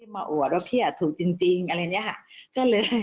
มาอวดว่าพี่อ่ะถูกจริงอะไรเนี้ยค่ะ